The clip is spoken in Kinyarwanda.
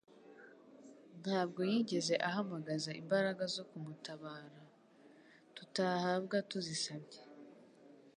Ntabwo yigeze ahamagaza imbaraga zo kumutabara, tutahabwa tuzisabye.